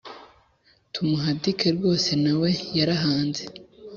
tumuhadike rwose nawe yarahaanze!